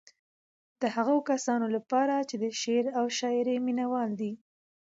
د هغو کسانو لپاره چې د شعر او شاعرۍ مينوال دي.